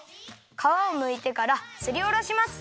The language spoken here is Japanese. かわをむいてからすりおろします。